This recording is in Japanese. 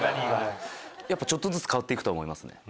ちょっとずつ変わって行くとは思いますね。